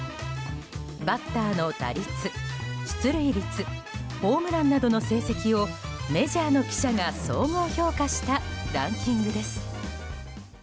バッターの打率、出塁率ホームランなどの成績をメジャーの記者が総合評価したランキングです。